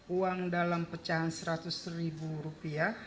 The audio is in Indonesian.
uang dalam pecahan rp seratus